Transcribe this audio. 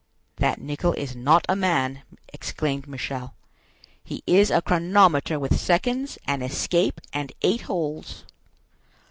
"That Nicholl is not a man," exclaimed Michel; "he is a chronometer with seconds, an escape, and eight holes."